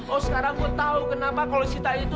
oh sekarang gue tau kenapa kalau sita itu